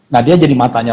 nah dia jadi matanya